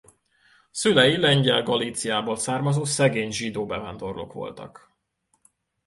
Szülei Lengyel-Galíciából származó szegény zsidó bevándorlók voltak.